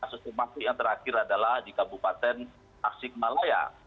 sistemasi yang terakhir adalah di kabupaten asikmalaya